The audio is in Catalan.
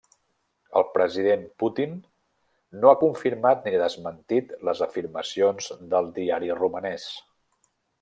El president Putin no ha confirmat ni desmentit les afirmacions del diari romanès.